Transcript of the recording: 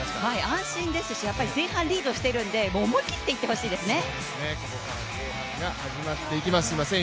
安心ですし前半リードしているのでもう思い切っていってほしいですよね。